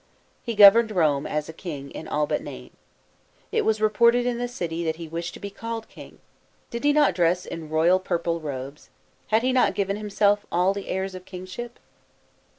He governed Rome, as a king, in all but name. It was reported in the city, that he wished to be called king. Did he not dress in royal purple robes, had he not given himself all the airs of kingship